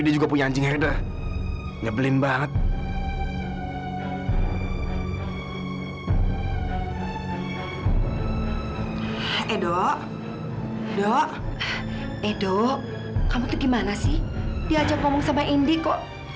dia juga punya anjing herder nyebelin banget edo dok edo kamu tuh gimana sih diajak ngomong sama indi kok